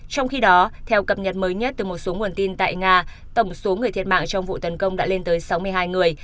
trong khi đó theo cập nhật mới nhất từ một số nguồn tin tại nga tổng số người thiệt mạng trong vụ tấn công đã lên tới sáu mươi hai người